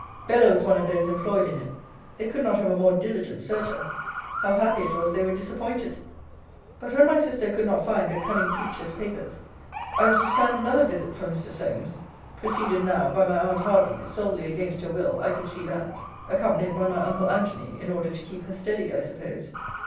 Bella was one of those employed in it. They could not have a more diligent searcher. How happy it was they were disappointed! But when my sister could not find the cunning creature's papers, I was to stand another visit from Mr. Solmes preceded now by my aunt Hervey, solely against her will, I could see that; accompanied by my uncle Antony, in order to keep her steady, I suppose.